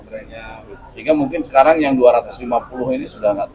sehingga mungkin sekarang yang dua ratus lima puluh ini sudah tidak